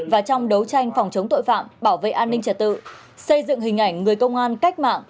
và trong đấu tranh phòng chống tội phạm bảo vệ an ninh trật tự xây dựng hình ảnh người công an cách mạng